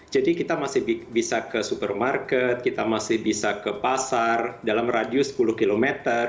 jadi kita masih bisa ke supermarket kita masih bisa ke pasar dalam radius sepuluh km